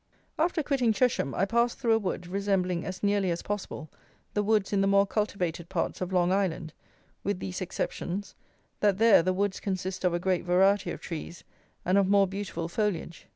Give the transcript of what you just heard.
After quitting Chesham, I passed through a wood, resembling, as nearly as possible, the woods in the more cultivated parts of Long Island, with these exceptions, that there the woods consist of a great variety of trees, and of more beautiful foliage.